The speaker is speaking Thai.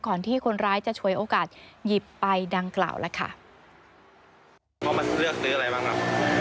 ที่คนร้ายจะฉวยโอกาสหยิบไปดังกล่าวแล้วค่ะว่ามันเลือกซื้ออะไรบ้างครับ